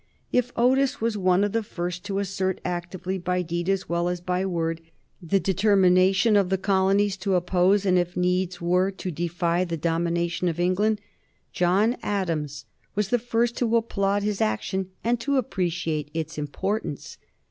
If Otis was one of the first to assert actively, by deed as well as by word, the determination of the colonies to oppose and, if needs were, to defy the domination of England, John Adams was the first to applaud his action and to appreciate its importance.